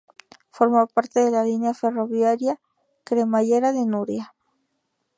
Forma parte de la línea ferroviaria "Cremallera de Nuria".